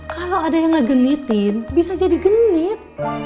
kalau ada yang ngegenitin bisa jadi genit